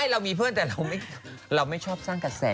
เรามีเพื่อนแต่เราไม่ชอบสร้างกระแส